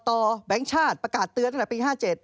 แบงค์ชาติประกาศเตือนตั้งแต่ปี๕๗